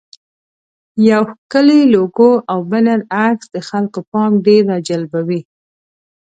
یو ښکلی لوګو او بنر عکس د خلکو پام ډېر راجلبوي.